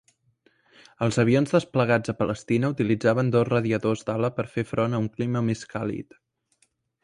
Els avions desplegats a Palestina utilitzaven dos radiadors d'ala per fer front a un clima més càlid.